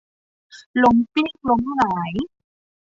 ล้มกลิ้งล้มหงาย